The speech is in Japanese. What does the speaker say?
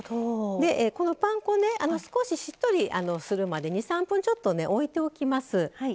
パン粉、少し、しっとりするまで２３分ちょっと置いておきます。